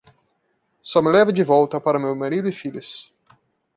Só me leve de volta para meu marido e filhos.